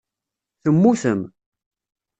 Temmutem.